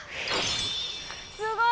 すごい！